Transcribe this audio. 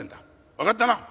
わかったな？